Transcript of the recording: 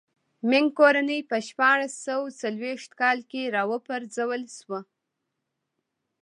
مینګ کورنۍ په شپاړس سوه څلوېښت کاله کې را و پرځول شوه.